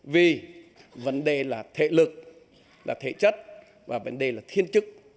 vì vấn đề là thể lực là thể chất và vấn đề là thiên chức